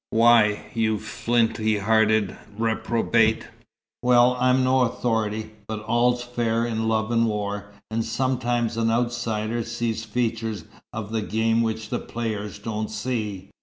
"Why, you flinty hearted reprobate?" "Well, I'm no authority. But all's fair in love and war. And sometimes an outsider sees features of the game which the players don't see."